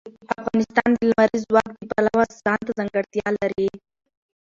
افغانستان د لمریز ځواک د پلوه ځانته ځانګړتیا لري.